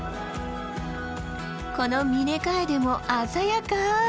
このミネカエデも鮮やか。